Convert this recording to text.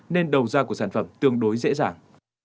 nên đầu ra của sản phẩm tương đối dễ dàng